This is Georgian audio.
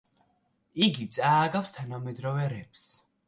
იგი წააგავს თანამედროვე რეპს.